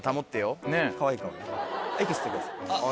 息吸ってください。